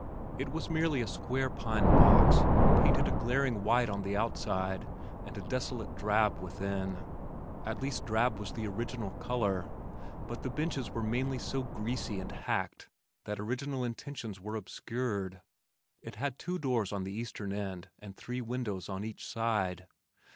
It was merely a square pine box painted a glaring white on the outside and a desolate drab within; at least drab was the original color, but the benches were mainly so greasy and hacked that original intentions were obscured. It had two doors on the eastern end and three windows on each side.